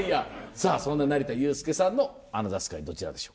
さぁそんな成田悠輔さんのアナザースカイどちらでしょう？